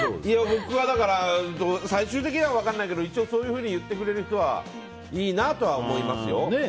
僕は最終的には分からないけれど一応、そう言ってくれる人はいいなとは思いますよ。